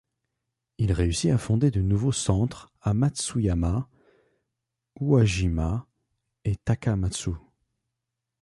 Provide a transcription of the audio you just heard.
Il réussit à fonder de nouveaux centres à Matsuyama, Uwajima et Takamatsu.